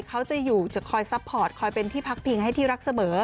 เขาจะอยู่จะคอยซัพพอร์ตคอยเป็นที่พักพิงให้ที่รักเสมอ